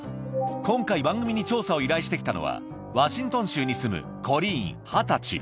今回、番組に調査を依頼してきたのは、ワシントン州に住むコリーン２０歳。